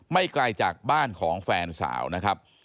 ไกลจากบ้านของแฟนสาวนะครับ